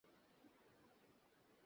এই জাতীয় ছাগল বিলুপ্তপ্রায়।